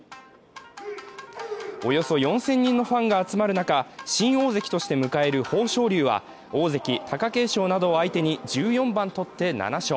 およそ４０００人のファンが集まる中、新大関として迎える豊昇龍は大関・貴景勝などを相手に１４番とって７勝。